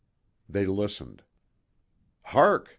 They listened. "Hark!"